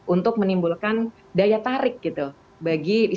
untuk menimbulkan daya tarik gitu bagi wisatawan asing